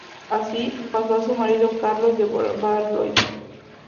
Así, pasó a su marido Carlos de Valois.